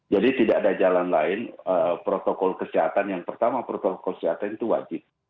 jadi tidak ada jalan lain protokol kesehatan yang pertama protokol kesehatan itu wajib